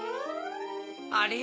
あれ？